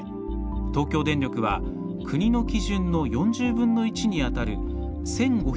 東京電力は国の基準の４０分の１にあたる１５００